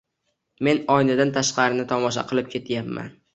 Men oynadan tashqarini tomosha qilib ketyapman